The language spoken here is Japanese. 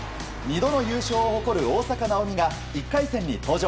２度の優勝を誇る大坂なおみが１回戦に登場。